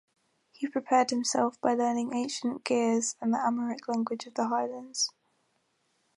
He prepared himself by learning ancient Ge'ez and the Amharic language of the highlands.